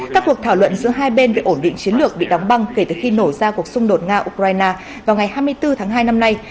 các cuộc thảo luận giữa hai bên về ổn định chiến lược bị đóng băng kể từ khi nổ ra cuộc xung đột nga ukraine vào ngày hai mươi bốn tháng hai năm nay